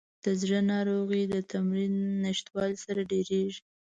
د زړه ناروغۍ د تمرین نشتوالي سره ډېریږي.